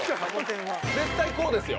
絶対こうですよ！